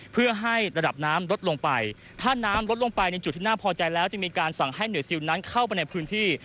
เพื่อให้ระดับน้ำลดลงไปถ้าน้ำลดลงไปในจุดที่น่าพอใจแล้วจะมีการสั่งให้หน่วยซิลนั้นเข้าไปในพื้นที่